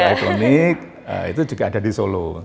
elektronik itu juga ada di solo